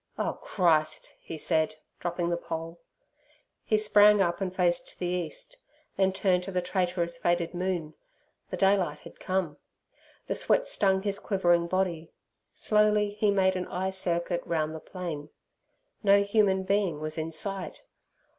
"Oh, Christ!" he said, dropping the pole. He sprang up and faced the East, then turned to the traitorous faded moon. The daylight had come. The sweat stung his quivering body. Slowly, he made an eye circuit round the plain; no human being was in sight.